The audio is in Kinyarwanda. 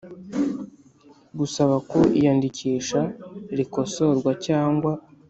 Gusaba ko iyandikisha rikosorwa cyangwa